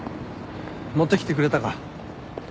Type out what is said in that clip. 持ってきてくれたか？